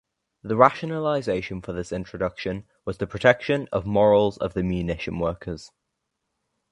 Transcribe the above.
The rationalisation for this introduction was the protection of morals of the munition workers.